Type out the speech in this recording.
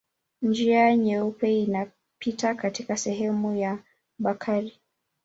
Njia Nyeupe inapita katika sehemu ya Bakari.